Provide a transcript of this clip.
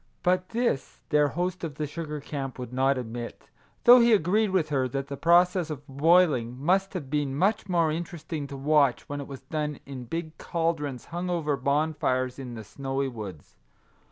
But this their host of the sugar camp would not admit, though he agreed with her that the process of boiling must have been much more interesting to watch when it was done in big cauldrons hung over bonfires in the snowy woods.